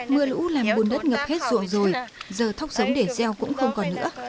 mưa lũ làm bùn đất ngập hết ruộng rồi giờ thóc giống để gieo cũng không còn nữa